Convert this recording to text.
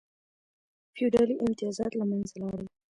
فیوډالي امتیازات له منځه لاړل.